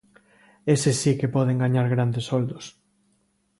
Eses si que poden gañar grandes soldos.